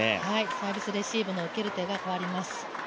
サービス、レシーブの受ける手が変わります。